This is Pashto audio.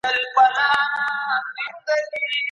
رقیبه اوس دي په محفل کي سترګي سرې ګرځوه